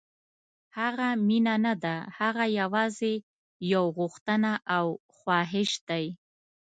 هغه مینه نه ده، هغه یوازې یو غوښتنه او خواهش دی.